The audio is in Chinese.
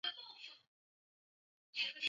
影响所及市售淀粉类食材。